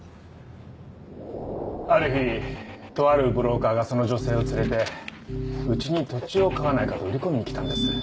ある日とあるブローカーがその女性を連れてうちに土地を買わないかと売り込みに来たんです。